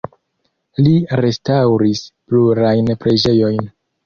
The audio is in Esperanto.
Li restaŭris plurajn preĝejojn.